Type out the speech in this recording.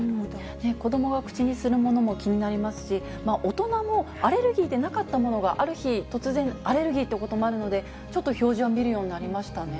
子どもが口にするものも気になりますし、大人もアレルギーでなかったものが、ある日突然、アレルギーということもあるので、ちょっと表示を見るようになりましたね。